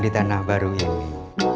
di tanah baru ini